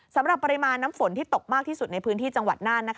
สำหรับปริมาณน้ำฝนที่ตกมากที่สุดในพื้นที่จังหวัดน่าน